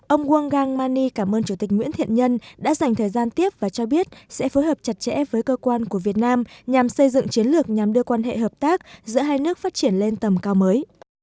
ông wang mani cảm ơn chủ tịch nguyễn thiện nhân đã dành thời gian tiếp và cho biết sẽ phối hợp chặt chẽ với cơ quan của việt nam nhằm xây dựng chiến lược nhằm đưa quan hệ hợp tác giữa hai nước phát triển lên tầm cao mới